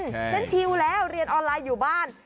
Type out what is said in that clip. ฉันชิวแล้วเรียนออนไลน์อยู่บ้าน